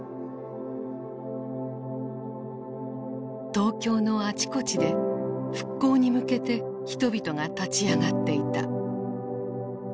東京のあちこちで復興に向けて人々が立ち上がっていた。